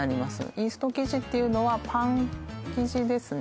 イースト生地というのはパン生地ですね。